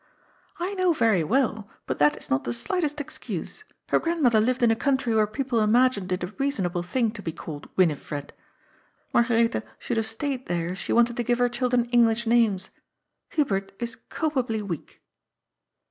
^ I know very well, but that is not the slightest excuse. Her grandmother lived in a country where people imagined it a reasonable thing to be called Winifred. Margaretha should have stayed there, if she wanted to give her children English names. Hubert is culpably weak."